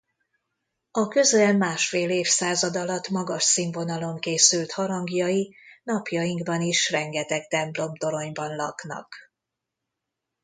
A közel másfél évszázad alatt magas színvonalon készült harangjai napjainkban is rengeteg templomtoronyban laknak.